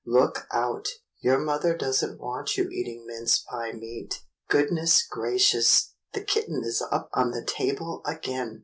Look out! Your mother does n't want you eat ing mince pie meat. Goodness gracious, the kitten is up on the table again